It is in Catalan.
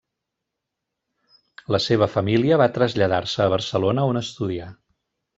La seva família va traslladar-se a Barcelona, on estudià.